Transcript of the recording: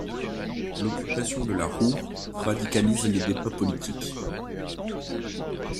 L'Occupation de la Ruhr radicalise les débats politiques.